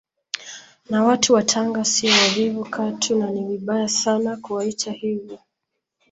Na watu wa Tanga sio wavivu katu na ni vibaya sana kuwaita hivyo